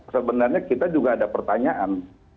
sebenarnya kita juga ada pertanyaan